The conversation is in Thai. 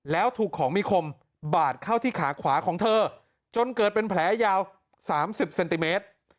แล้วถูกของมีคมบาดเข้าที่ขาขวาของเธอจนเกิดเป็นแผลยาว๓๐เซนติเมตร